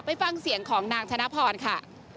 ไปฟังเสียงของนางธนพรค่ะ